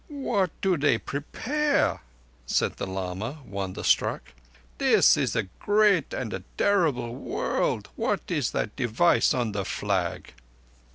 "What do they prepare?" said the lama, wonderstruck. "This is a great and terrible world. What is the device on the flag?"